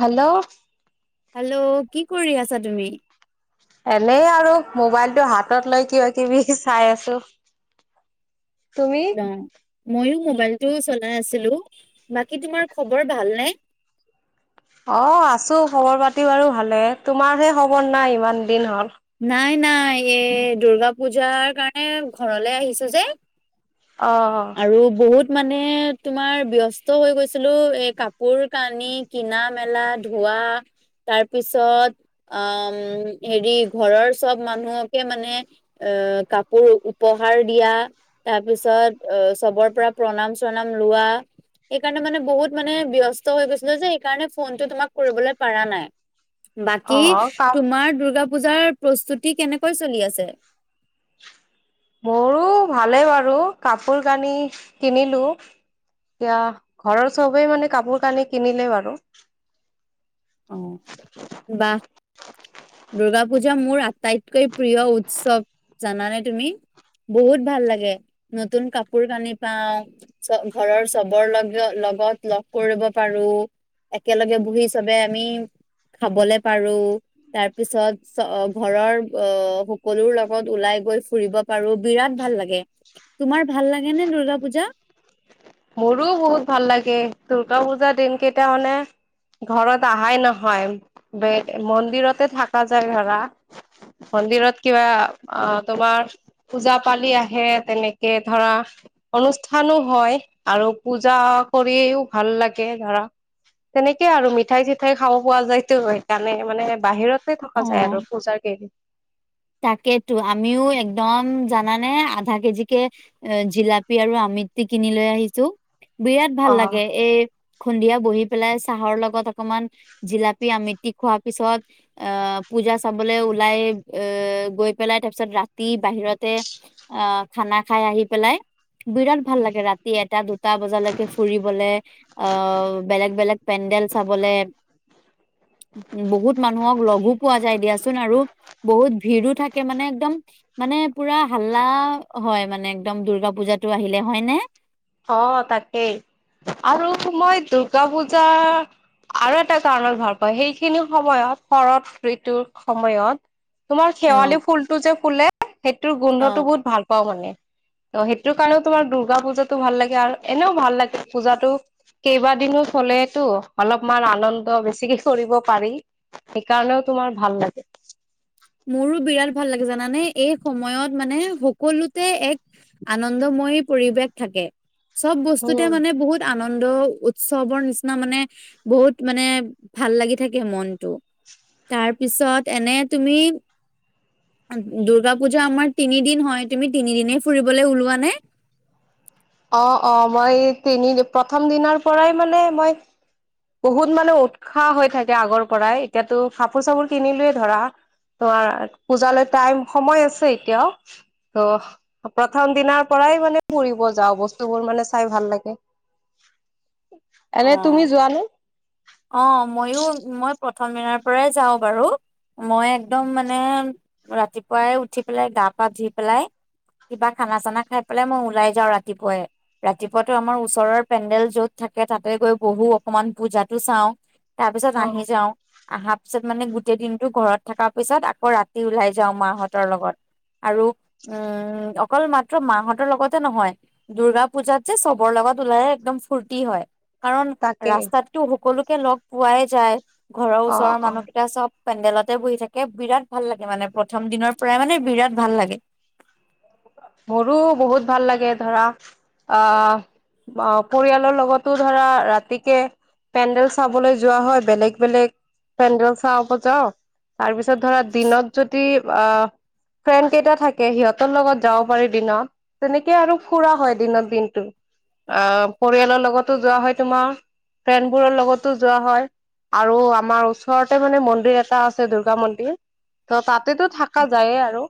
Hello. Hello কি কৰি আছা তুমি। এনেই আৰু মোবাইলটো হাতত লৈ কিবা কিবি চাই আছো। তুমি। ন ময়ো মোবাইলটো চলাই আছিলো বাকী তোমাৰ খবৰ ভালনে। অঁ আছো খবৰ পাতি বাৰু ভালে তোমাৰ সে খবৰ নাই ইমান দিন হ'ল। নাই নাই এই দুৰ্গা পূজাৰ কাৰণে ঘৰলে আহিছো যে আহ আৰু বহুত মানে তোমাৰ ব্যস্ত হৈ গৈছিলো এ কাপোৰ কানি কিনা মেলা ধোৱা তাৰ পিছত আ হেৰি ঘৰৰ চব মানুহকে মানে আহ কাপোৰ উপহাৰ দিয়া। তাৰপিছত চবৰ পৰা প্ৰণাম চনাম লোৱা। সেইকাৰণে মানে বহুত মানে ব্যস্ত হৈ গৈছিলো যে সেইকাৰণে ফোনটো তোমাক কৰিবলৈ পাৰা নাই বাকী অ কাপ তোমাৰ দুৰ্গা পূজাৰ প্ৰস্তুতি কেনেকৈ চলি আছে মোৰো ভালে বাৰু কাপোৰ কানি কিনিলো এয়া ঘৰৰ চবেই মানে কাপোৰ কানি কিনিলে বাৰু অ বাহ দুূৰ্গা পুজা মোৰ আটাইতকৈ প্ৰিয় উৎসৱ জানানে তুমি বহুত ভাল লাগে নতুন কাপোৰ কানি পাও চ ঘৰৰ চবৰ লগ লগত লগ কৰিব পাৰো একেলগে বহি চবে আমি খাবলে পাৰো তাৰ পিছত ঘৰৰ আহ সকলো লগত ওলাই গৈ ফুৰিব পাৰো বিৰাট ভাল লাগে তোমাৰ ভাল লাগে নে দূৰ্গা পুজা মোৰো বহুত ভাল লাগে দূৰ্গা পূজাৰ দিন কেইটা মানে ঘৰত অহাই নহয় ব মন্দিৰতে থাকা যায় ধৰা মন্দিৰত কিবা আহ তোমাৰ পূজা পালি আহে তেনেকে ধৰা অনুষ্ঠানো হয় আৰু পূজা কৰিয়ও ভাল লাগে ধৰা তেনেকে আৰু মিঠাই চিঠাই খাব পোৱা যায়তো সেইকাৰণে মানে বাহিৰত তে থকা যায় অ আৰু পূজাৰ কে তাকেতো আমিও একদম জানানে, আধা কেজিকে জিলাপি আৰু আমিটি কিনি লৈ আহিছো । বিৰাট ভাল অ লাগে এই । সন্ধিয়া বহি পেলাই চাহৰ লগত অকমান জিলাপি, আমিতি খোৱাৰ পিছত আহ পূজা চাবলৈ ওলাই এ গৈ পেলাই তাৰ পিছত ৰাতি বাহিৰতে আহ খানা খাই আহি পেলাই বিৰাট ভাল লাগে ৰাতি এটা, দুটা বজালৈকে ফুৰিবলে আঁহ বেলেগ বেলেগ পেণ্ডেল চাবলে বহুত মানুহক লগো পোৱা যায় দিয়াচোন আৰু বহুত ভিৰো থাকে মানে একদম মানে পুৰা হাল্লা হয় মানে একদম দূৰ্গা পূজাটো আহিলে হয় নে? অ' তাকেই আৰু এই দুৰ্গা পূজা আৰু এটা কাৰণত ভাল পাওঁ, সেইখিনি সময়ত শৰৎ ঋতুৰ সময়ত তোমাৰ শেৱালি অ', ফুলটো যে শুলে। সেইটোৰ গোন্ধটো অ'। বহুত ভাল পাওঁ মানে ত' সেইটো কাৰণেও তোমাৰ দুৰ্গা পূজাত ভাল লাগে আৰু এনেও ভাল লাগে পূজাতো কেইবাদিনো চলেতো অলপমান আনন্দ বেছিকে কৰিব পাৰি। সেইকাৰণেও তোমাৰ ভাল লাগে মোৰো বিৰাট ভাল লাগে জানানে এই সময়ত মানে সকলোতে এক আনন্দ, মই পৰিৱেশ থাকে । চব বস্তুতে উম মানে বহুত আনন্দ আনন্দ-উৎসৱৰ নিচিনা মানে বহুত মানে ভাল লাগি থাকে মনটো তাৰপিছত এনে তুমি দুৰ্গা পূজা আমাৰ তিনিদিন হয়, তুমি তিনিদিনেই ফুৰিবলে ওলোৱা নে? অ', -অ' মই তিনি প্ৰথম দিনৰ পৰাই মানে মই বহুত মানে উৎসাহ হৈ থাকে আগৰ পৰাই এতিয়াতো কাপোৰ-চাপোৰ কিনিলোয়ে ধৰা তোমাৰ পূজালৈ টাইম সময় আছে। এতিয়াও ত' প্ৰথম দিনাৰ পৰাই মানে ফুৰিব যাও বস্তুবোৰ মানে চাই ভাল লাগে। এনে অ', তুমি যোৱানে? অ' মইয়ো মই প্ৰথম দিনাৰ পৰাই যাও বাৰু মই একদম মানে ৰাতিপুৱাই উঠি পেলাই গা, পা ধুই পেলাই কিবা খানা চানা খাই পেলাই মই ওলাই যাও ৰাতিপুৱাই। ৰাতিপুৱাতো আমাৰ ওচৰৰ পেণ্ডেল য'ত থাকে তাকে তাতে গৈ বহু অকমান পূজাতো চাওঁ । তাৰ পিছত অ আহি যাও । অহাৰ পিছত মানে গোটেই দিনতটো ঘৰত থকা পিছত আকৌ ৰাতি ওলাই যাও মাহঁতৰ লগত আৰু উম অকল মাত্ৰ মাহঁতৰ লগতে নহয়, দূৰ্গা পূজাত যে চবৰ লগত ওলাইে একদম ফূৰ্তি হয়। কাৰণ তাকে ৰাস্তাতটো সকলো লগ পোৱাই যায় । ঘৰৰ অ ওচৰৰ অ মানুহকেইটা চব পেণ্ডেলতে বহি থাকে বিৰাট ভাল লাগে মানে প্ৰথম দিনৰ প্ৰায় মানে বিৰাট ভাল লাগে । মোৰো বহুত ভাল লাগে ধৰা অ' পৰিয়ালৰ লগতো ধৰা ৰাতিকে পেণ্ডেল চাবলৈ যোৱা হয় বেলেগ বেলেগ পেণ্ডেল চাব যাওঁ তাৰ পিছত তাতে ধৰা দিনত যদি অ' ফ্ৰেণ্ড কেইটা থাকে সিহঁতৰ লগত । যাব পাৰি দিনত তেনেকে আৰু ফুৰা হয় দিনত দিনটো আহ পৰিয়ালৰ লগতো যোৱা হয় তোমাৰ ফ্ৰেণ্ডবোৰৰ লগতো যোৱা হয়, আৰু আমাৰ ওচৰতে মানে মন্দিৰ এটা আছে দূৰ্গা মন্দিৰ ত তাতেতো থকা যায়ে আৰু।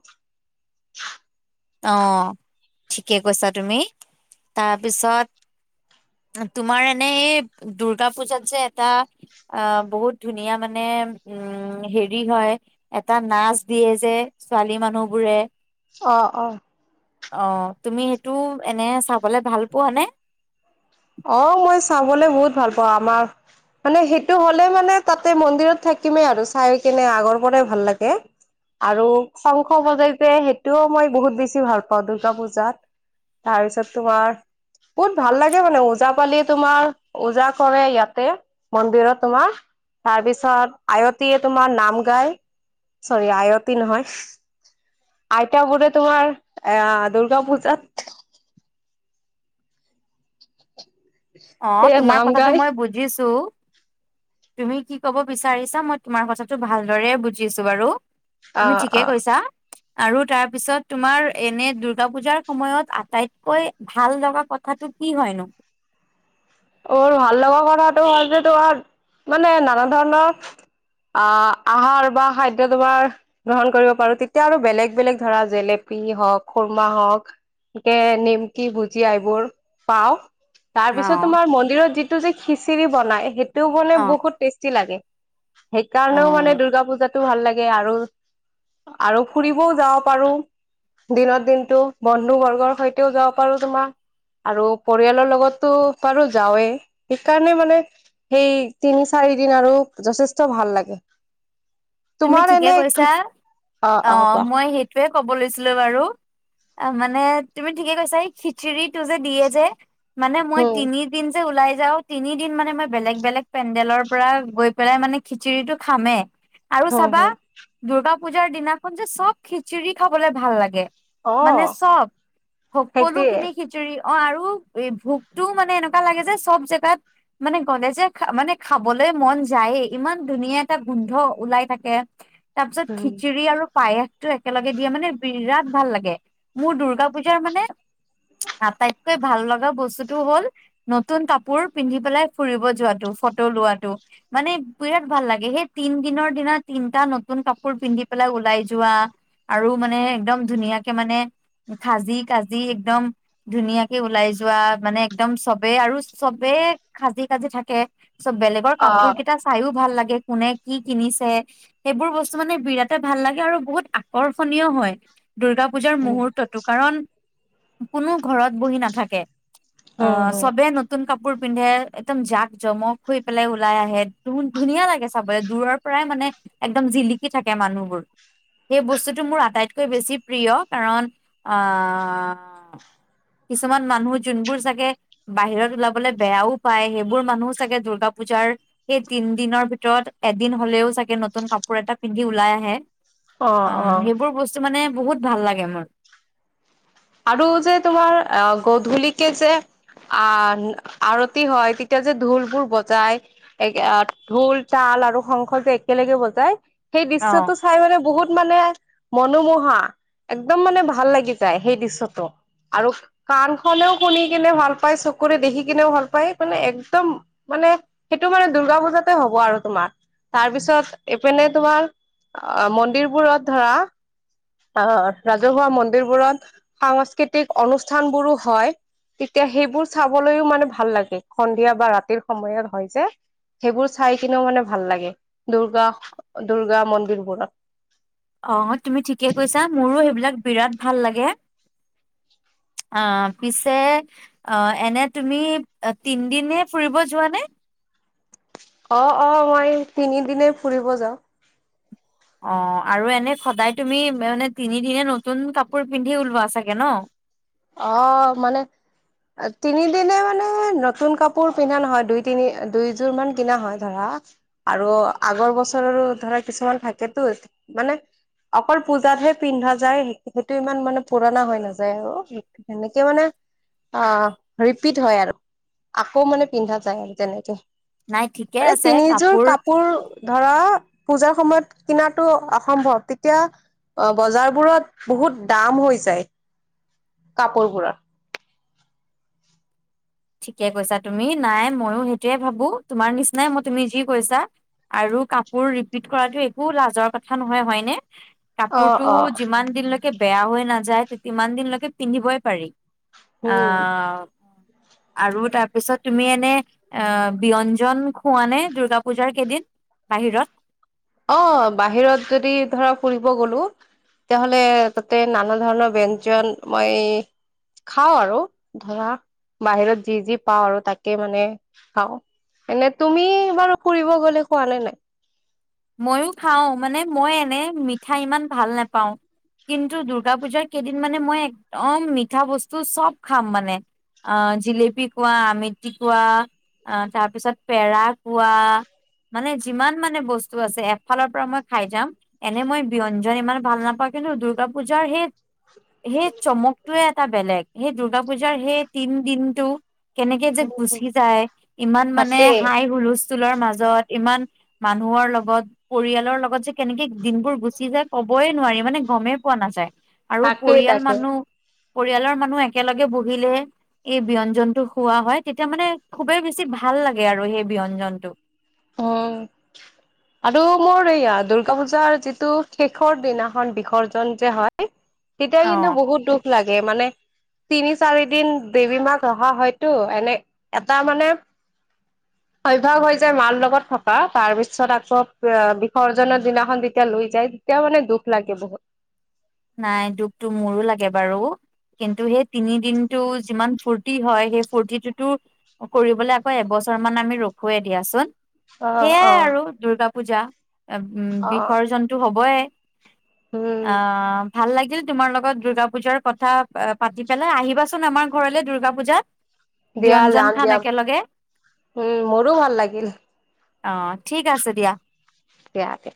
অ, ঠিকে কৈছা তুমি তাৰপিছত তোমাৰ এনে এই দুৰ্গা পূজাত যে এটা আহ বহুত ধুনীয়া মানে উম হেৰি হয় এটা নাচ দিয়ে যে ছোৱালী মানুহবোৰে। অ অ। অ, তুমি সেইটো এনে চাবলে ভাল পোৱানে? অ, মই চাবলৈ বহুত ভাল পাওঁ আমাৰ মানে সেইটো হ'লে মানে তাতে মন্দিৰত থাকিমেই আৰু চাই কেনে আগৰ পৰাই ভাল লাগে আৰু শংখ বজাই যে সেইটোও মই বহুত বেছি ভাল পাওঁ দূৰ্গা পুজাত তাৰ পিছত তোমাৰ বহুত ভাল লাগে। মানে ওজা পালি তোমাৰ ওজা কৰে ইয়াতে মন্দিৰত তোমাৰ তাৰপিছত আয়তীয়ে তোমাৰ নাম গায় চৰি আয়তী নহয় আইতাবোৰে তোমাৰ এ দূৰ্গা পূজাত। অ, এয়া তোমাৰ নাম কথাটো গাই মই বুজিছো। তুমি কি ক'ব বিচাৰিছা মই তোমাৰ কথাটো ভালদৰে বুজিছো বাৰু। অ তুমি ঠিকে অ কৈছা। আৰু তাৰ পিছত তোমাৰ এনে দূৰ্গা পূজাৰ সময়ত আটাইতকৈ ভাল লগা কথাটো কি হয়নো? মোৰ ভাল লগা কথাটো হ'ল যে তোমাৰ মানে নানা ধৰণৰ আহ আহাৰ বা খাদ্য তোমাৰ গ্ৰহণ কৰিব পাৰো তেতিয়া আৰু বেলেগ বেলেগ ধৰা জেলেপি হওক খুৰমা হওক একে নিমকি ভুজিয়া এইবোৰ পাওঁ তাৰ অ পিছত। তোমাৰ মন্দিৰত যি টো যে খিচিৰি বনাই সেইটো টো বনাই অ বহুত টেষ্টি লাগে সেইকাৰণেও অ মানে দুৰ্গা পুজাত ভাল লাগে আৰু আৰু ফুৰিবওঁ যাব পাৰো দিনত দিনটো বন্ধু বৰ্গৰ সৈতেও যাব পাৰো তোমাৰ আৰু পৰিয়ালৰ লগতো পাৰো যাওঁৱে সেইকাৰণে মানে সেই তিনি চাৰি দিন আৰু যথেষ্ট ভাল লাগে তুমি তোমাৰ ঠিকে এনে কৈছা কি অ মই সেইটোৱে ক'ব লৈছিলো বাৰু অ মানে তুমি ঠিকে কৈছা এই খিচিৰিটো যে দিয়ে যে মানে মই উম তিনিদিন যে ওলাই যাও তিনিদিন মানে মই বেলেগ বেলেগ পেণ্ডেলৰ পৰা গৈ পেলাই মানে খিচিৰিটো খামে আৰু হম চাবা হম দুৰ্গা পূজাৰ দিনাখন যে চব খিচিৰি খাবলে ভাল লাগে। মানে অ চব সকলো সেইটোৱে খিনি খিচিৰি অঁ আৰু এই ভোকটোও মানে এনেকুৱা লাগে যে চব জেগাত মানে গ'লে যে মানে খাবলে মন যায়ে ইমান ধুনীয়া এটা গোন্ধ ওলাই থাকে। তাৰ পিছত উম খিচিৰি আৰু পায়স টো একেলগে দিয়ে মানে বিৰাট ভাল লাগে মোৰ দূৰ্গা পুজাৰ মানে আটাইতকৈ ভাল লগা বস্তুতটো হল নতুন কাপোৰ পিন্ধি পেলাই ফুৰিব যোৱাটো ফটো লোৱাটো মানে বিৰাট ভাল লাগে সেই তিন দিনৰ দিনাত তিনটা নতুন কাপোৰ পিন্ধি পেলাই ওলাই যোৱা আৰু মানে একদম ধুনীয়াকে মানে খাজি কাজি একদম ধুনীয়াকে ওলাই যোৱা মানে একদম চবেই আৰু চবে সাজি কাজি থাকে চব বেলেগৰ অ কাপোৰ কেইটা চাইও ভাল লাগে। কোনে কি কিনিছে। সেইবোৰ বস্তু মানে বিৰাট ভাল লাগে আৰু বহুত আকৰ্ষণীয় হয় দুৰ্গা পূজাৰ উম মুহূৰ্তত টো কাৰণ- কোনো ঘৰত বহি নাথাকে। হম অঁ হম চবে নতুন কাপোৰ। কাপোৰ পিন্ধে একদম জাক জমক হৈ পেলাই ওলাই আহে ধুনীয়া লাগে চাবলৈ দূৰৰ পৰাই মানে একদম জিলিকি থাকে মানুহবোৰ সেই বস্তুটো মোৰ আটাইতকৈ কৈ বেছি প্ৰিয় কাৰণ আহ কিছুমান মানুহ যোনবোৰ চাগে বাহিৰত ওলাবলে বেয়াও পায় সেইবোৰ মানুহো চাগে দূৰ্গা পূজাৰ সেই তিনদিনৰ ভিতৰত এদিন হলেও চাগে নতুন নতুন কাপোৰ এটা পিন্ধি ওলাই আহে অ অঁ অ সেইবোৰ বস্তু মানে বহুত ভাল লাগে মোৰ আৰু যে তোমাৰ আহ গধূলিকে যে আহ আৰতি হয় তেতিয়া যে ঢোল বোৰ বজাই ঢোল তাল আৰু শংস যে একেলগে বজাই সেই অ' দৃশ্যটো চাই মানে বহুত মানে মনোমোহা একদম মানে ভাল লাগি যায়। সেই দৃশ্যটো আৰু কাণখনেও শুনি কিনে ভাল পায় চকুৰে দেখি কিনেও ভাল পায় স মানে একদম মানে সেইটো মানে দূৰ্গা পূজাতে হব আৰু তোমাৰ তাৰ পিছত এইপিনে তোমাৰ আহ মন্দিৰবোৰত ধৰা আহ ৰাজহুৱা মন্দিৰবোৰত সাংস্কৃতিক অনুষ্ঠান বোৰো হয় তেতিয়া সেইবোৰ চাবলৈও মানে ভাল লাগে সন্ধিয়া বা ৰাতিৰ সময়ত হয় যে সেইবোৰ চাই কিনেও মানে ভাল লাগে দৰ্গা দুৰ্গামন্দিৰবোৰত।। অ তুমি ঠিকে কৈছা মোৰো সেইবিলাক বিৰাট লাগে অ পিছে অ এনে তুমি তিনদিনে ফুৰিব যোৱানে? অ-অ মই তিনিদিনে ফুৰিব যাওঁ ৷ অ আৰু এনে সদায় তুমি মানে তিনিদিনে নতুন কাপোৰ পিন্ধি ওলোৱা চাগে ন? অ মানে তিনিদিনে মানে নতুন কাপোৰ পিন্ধা নহয় দুই তিনি দুইযোৰ মান কিনা হয় ধৰা আৰু আগৰ বছৰৰ ধৰা কিছুমান থাকেতো মানে অকল পূজাতহে পিন্ধা যায় সেইটো ইমান মানে পুৰণা হৈ নাযায় আৰু তেনেকে মানে অ ৰিপিট হয় আৰু আকৌ মানে পিন্ধা যায় আৰু তেনেকে নাই ঠিকে ৷ মানে আছে তিনিযোৰ কাপোৰ ধৰা পূজাৰ সময়ত কিনাটো অসম্ভৱ তেতিয়া অ বজাৰবোৰত বহুত দাম হৈ যায় ৷ কাপোৰ বোৰৰ ৷ ঠিকে কৈছা তুমি নাই ময়ো সেইটোয়ে ভাবো তোমাৰ নিচিনাই মই তুমি যি কৈছা আৰু কাপোৰ ৰিপিট কৰাটো একো লাজৰ কথা নহয় হয়নে? অ কাপোৰটো অ যিমান দিনলৈকে বেয়া হৈ নাযায় ইমান দিনলৈকে পিন্ধিবই পাৰি ৷ উম আহ! আৰু তাৰ পিছত? তুমি এনে অ ব্যঞ্জন খোৱা নে দূৰ্গা পূজাৰ কেইদিন বাহিৰত? অ বাহিৰত যদি ধৰা ফুৰিব গলো তেতিয়া হ'লে তাতে নানা ধৰণৰ ব্যঞ্জন মই খাওঁ আৰু ধৰা বাহিৰত যি যি পাওঁ আৰু তাকে মানে খাওঁ এনে তুমি বাৰু ফুৰিব গলে খোৱা নে নাই? মইও খাও মানে মই এনে মিঠা ইমান ভাল নোপাওঁ কিন্তু দূৰ্গা পুজাৰ কেইদিন মানে মই একদম মিঠা বস্তু চব খাম মানে আহ জিলেপি কোৱা আমেটি কোৱা তাৰপিছত পেৰা কোৱা মানে যিমান মানে বস্ত বস্তু আছে এফালৰ পৰা মই খাই যাম এনে মই ব্যঞ্জন ইমান ভাল নাপাওঁ কিন্তু দূৰ্গা পূজাৰ সেই - সেই চমকটোৱে এটা বেলেগ সেই দূৰ্গা পূজাৰ সেই তিন দিনটো কেনেকে যে গুচি যায় ইমান মানে তাকেই হাই হুলচ স্থুলৰ মাজত ইমান মানুহৰ লগ গত পৰিয়ালৰ লগত যে কেনেকে দিনবোৰ গুচি যায় কবই নোৱাৰি মানে গমেই পোৱা নাযায় ৷ আৰু তাকেই পৰিয়াল তাকে মানুহ ৰিয়ালৰ মানুহ একেলগে বহিলে এই ব্যঞ্জনটো খোৱা হয় তেতিয়া মানে খুবেই বেছি ভাল লাগে আৰু সেই ব্যঞ্জনটো ৷ উম আৰু মোৰ এইয়া দুৰ্গা পূজাৰ যিটো শেষৰ দিনাখন বিসৰ্জন যে হয় তেতিয়া অ কিন্তু বহুত দুখ লাগ ৷ মানে তিনি চাৰি দিন দেৱী মাক ৰহা হয়তো এনে এটা মানে অভ্যাস হৈ যায় মা থকা তাৰ পিছত আকৌ বিসৰ্জনৰ দিনাখন যেতিয়া লৈ যাই তেতিয়া মানে দুখ লাগে বহুত ৷ নাই দুখটো মোৰো লাগে বাৰু! কিন্তু সেই তিনি দিনটো যিমান ফূৰ্তি হয় সেই ফূৰ্তিটোতো কৰিবলৈ আকৌ এবছৰ মান আমি ৰখোৱে দিয়াচোন ৷ অ', সেইয়াই অ'। আৰু দুৰ্গা পূজা উম অ', বিসৰ্জনটো হবই ৷ উম, অ ভাল লাগিল তোমাৰ লগত দূৰ্গা পূজাৰ কথা পাতি পেলাই আহিবাচোন আমাৰ ঘৰলে দুৰ্গা পূজাত ৷ দিয়া যাম দিয়া উম মোৰো ভাল লাগিল ৷ অ ঠিক আছে দিয়া ৷ ইয়াতে [unintelligible]